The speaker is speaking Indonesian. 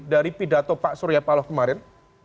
dari pidato pak surya paloh kemarin